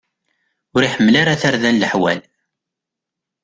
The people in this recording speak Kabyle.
Ur iḥemmel ara tarda n leḥwal.